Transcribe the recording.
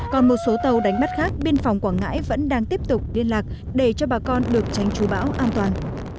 còn một số tàu đánh bắt khác biên phòng quảng ngãi vẫn đang tiếp tục liên lạc để cho bà con được tránh chú bão an toàn